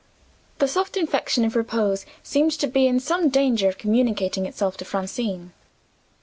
The soft infection of repose seemed to be in some danger of communicating itself to Francine.